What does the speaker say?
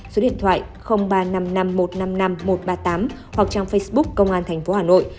số điện thoại ba trăm năm mươi năm một trăm năm mươi năm một trăm ba mươi tám hoặc trang facebook công an tp hà nội